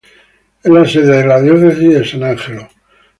Es la sede de la Diócesis de San Angelo.